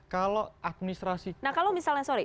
kalau administrasi nah kalau misalnya sorry